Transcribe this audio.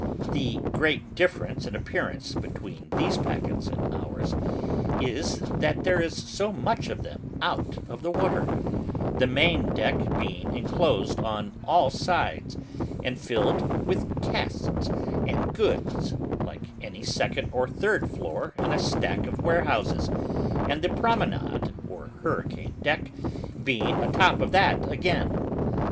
The great difference in appearance between these packets and ours, is, that there is so much of them out of the water: the main deck being enclosed on all sides, and filled with casks and goods, like any second or third floor in a stack of warehouses; and the promenade or hurricane deck being a top of that again.